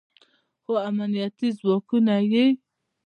خو امنیتي ځواکونه یې